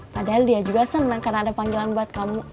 padahal dia juga senang karena ada panggilan buat kamu